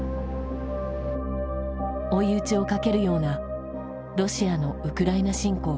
追い打ちをかけるようなロシアのウクライナ侵攻。